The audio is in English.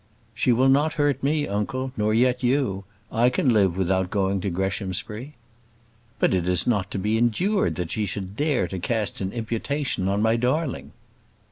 "She will not hurt me, uncle, nor yet you. I can live without going to Greshamsbury." "But it is not to be endured that she should dare to cast an imputation on my darling."